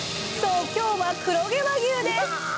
そう今日は黒毛和牛です。